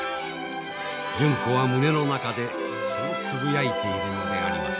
純子は胸の中でそうつぶやいているのであります。